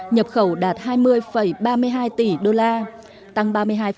nhập khẩu đạt hai mươi ba mươi hai tỷ đô la tăng ba mươi hai